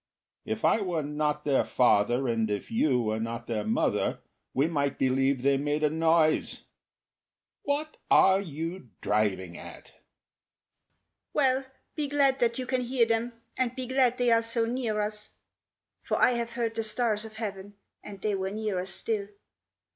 If I were not their father and if you were not their mother, We might believe they made a noise. ... What are you driving at!" "Well, be glad that you can hear them, and be glad they are so near us, For I have heard the stars of heaven, and they were nearer still.